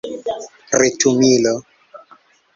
retumilo